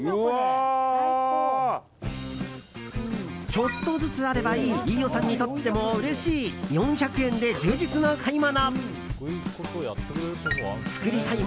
ちょっとずつあればいい飯尾さんにとってもうれしい４００円で充実の買い物。